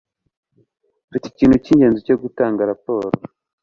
Mfite ikintu cyingenzi cyo gutanga raporo.